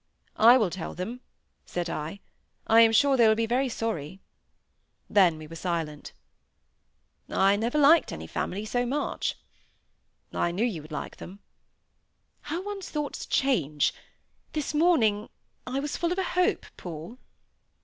"I will tell them," said I. "I am sure they will be very sorry." Then we were silent. "I never liked any family so much." "I knew you would like them." "How one's thoughts change,—this morning I was full of a hope, Paul."